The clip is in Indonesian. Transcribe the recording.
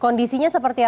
kondisinya seperti apa